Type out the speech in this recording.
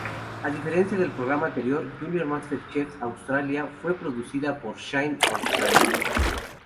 A diferencia del programa anterior, Junior MasterChef Australia fue producida por Shine Australia.